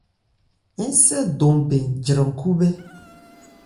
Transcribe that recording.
Ńsɛ ndɔn bɛn jran khúbhɛ́.